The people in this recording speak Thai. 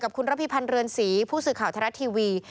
กับคุณระพีพันธ์เรือนศรีผู้สื่อข่าวทะเลทีวี